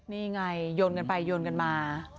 นี่ไงโยนกันไปโยนกันมา